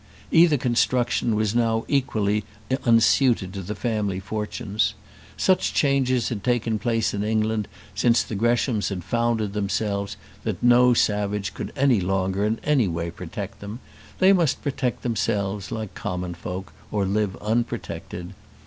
either construction was now equally unsuited to the family fortunes. Such changes had taken place in England since the Greshams had founded themselves that no savage could any longer in any way protect them; they must protect themselves like common folk, or live unprotected.